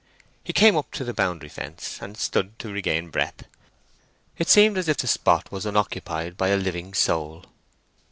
He came up to the boundary fence, and stood to regain breath. It seemed as if the spot was unoccupied by a living soul.